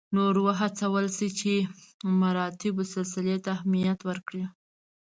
نور وهڅول شي چې مراتبو سلسلې ته اهمیت ورکړي.